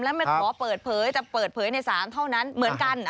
และไม่ขอเปิดเผยจะเปิดเผยในศาลเท่านั้นเหมือนกัน